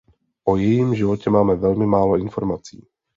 O jejím životě máme velmi málo informací.